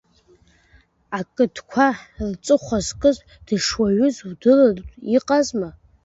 Ақыдқәа рҵыхәа зкыз дышуаҩыз удырратәы иҟазма?